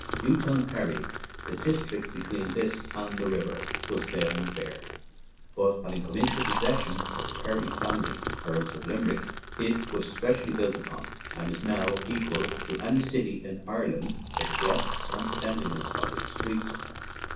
Newtown Pery, the district between this and the river, was then bare, but hav ing come into the possession of the Pery family (Earls of Limerick), it was specially built upon, and is now equal to any city in Ireland for the breadth and cleanli ness of its streets.